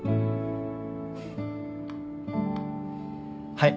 はい。